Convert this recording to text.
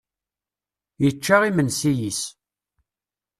Yečča imensi-is.